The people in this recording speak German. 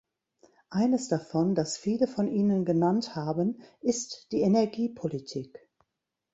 Eines davon, das viele von Ihnen genannt haben, ist die Energiepolitik.